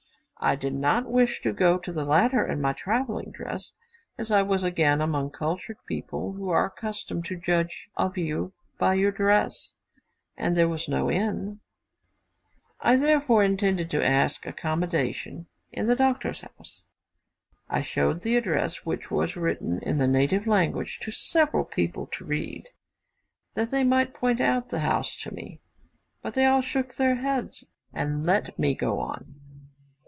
I did not wish to go to the latter in my travelling dress, as I was again among cultivated people, who are accustomed to judge of you by your dress, and there was no inn. I therefore intended to ask accommodation in the doctor's house. I showed the address, which was written in the native language, to several people to read, that they might point out the house to me; but they all shook their heads, and let me go on.